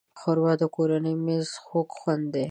ښوروا د کورنۍ د مېز خوږ خوند دی.